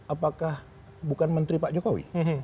apakah bukan menteri pak jokowi